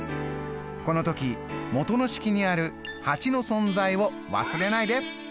この時元の式にある８の存在を忘れないで。